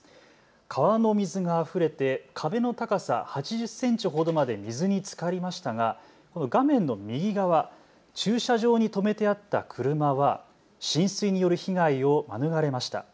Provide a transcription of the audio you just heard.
川の水があふれて壁の高さ８０センチほどまで水につかりましたが画面の右側、駐車場に止めてあった車は浸水による被害を免れました。